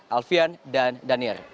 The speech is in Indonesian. ralfian dan daniel